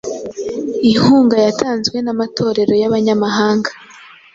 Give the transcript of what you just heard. inkunga yatanzwe n’amatorero y’Abanyamahanga